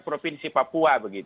provinsi papua begitu